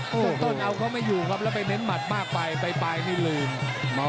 ต้นเอาเขาไม่อยู่ครับแล้วไปเน้นหมัดมากไปไปนี่ลืม